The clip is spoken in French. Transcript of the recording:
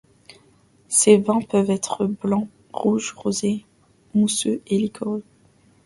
Ses vins peuvent être blanc, rouge, rosé, mousseux et liquoreux.